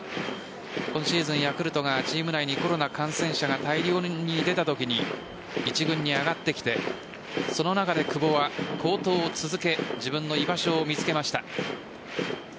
今シーズン、ヤクルトがチーム内でコロナ感染者が大量に出たときに一軍に上がってきてその中で久保は好投を続け自分の居場所を見つけました。